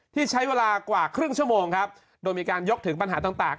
ที่ใช้เวลากว่าครึ่งชั่วโมงครับโดยมีการยกถึงปัญหาต่าง